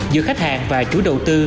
giữa khách hàng và chủ đầu tư